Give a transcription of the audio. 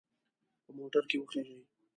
په موټر کې وخیژئ.